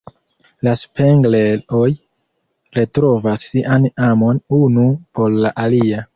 La Spengler-oj retrovas sian amon unu por la alia.